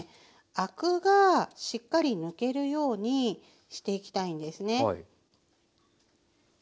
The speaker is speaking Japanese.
アクがしっかり抜けるようにしていきたいんですね。